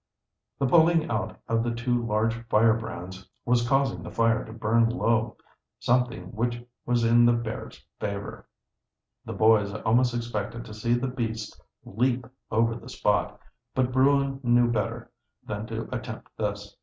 The pulling out of the two large firebrands was causing the fire to burn low, something which was in the bear's favor. The boys almost expected to see the beast leap over the spot, but bruin knew better than to attempt this.